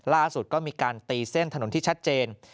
ล่าสุดก็มีการตีเส้นถนนที่ชัดเจน